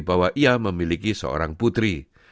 bahwa ia memiliki seorang putri